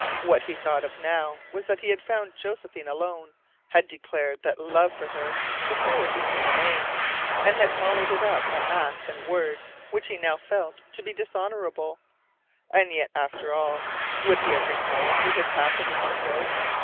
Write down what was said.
What he thought of now was that he had found Josephine alone, had declared that love for her before he knew her name, and had followed it up by act and word which he now felt to be dishonourable. And yet, after all, would he have recalled what had happened if he could?